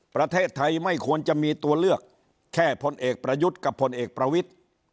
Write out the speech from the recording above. ประเทศไทยไม่ควรจะมีตัวเลือกแค่พลเอกประยุทธ์กับพลเอกประวิทธิ์